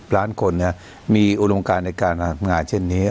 ล้านคนมีอุดมการในการทำงานเช่นนี้